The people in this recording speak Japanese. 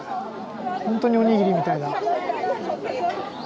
本当におにぎりみたいな。